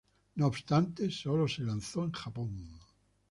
No obstante, solo se lanzó en Japón.